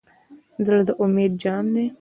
زړه د امید جام دی.